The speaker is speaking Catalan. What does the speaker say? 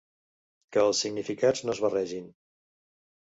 Que els significats no es barregin.